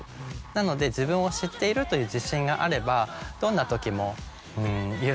なので自分を知っているという自信があればどんな時も揺らがずに。